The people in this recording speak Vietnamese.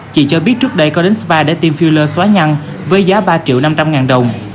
chị cho biết trước đây có đến spa để team filler xóa nhăn với giá ba triệu năm trăm linh ngàn đồng